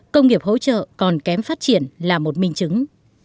công nghiệp hỗ trợ còn kém phát triển là một minh chứng